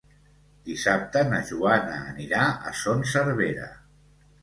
Dissabte na Joana anirà a Son Servera.